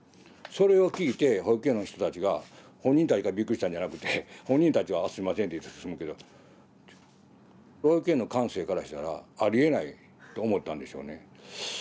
それを聞いて保育園の人たちが本人たちがびっくりしたんじゃなくて本人たちは「あすいません」って言って済むけど保育園の感性からしたらありえないと思ったんでしょうね。